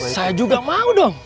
saya juga mau dong